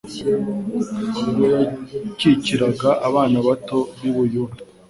ubwo yakikiraga abana bato b'i Buyuda.